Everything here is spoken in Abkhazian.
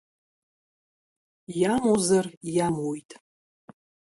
Иамузар иамуит…